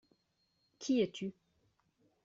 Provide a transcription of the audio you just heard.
Qui es-tu ?